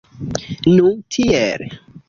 Nu tiel!